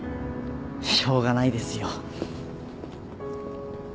しょうがないですよ。